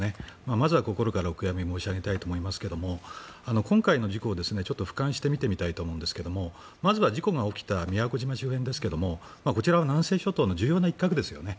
まずは心からお悔やみ申し上げたいと思いますけども今回の事故をちょっと俯瞰して見てみたいと思うんですがまずは事故が起きた宮古島周辺ですがこちらは南西諸島の重要な一角ですよね。